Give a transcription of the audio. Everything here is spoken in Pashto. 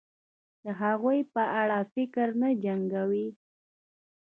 د هغوی په اړه فکر نه جنګوي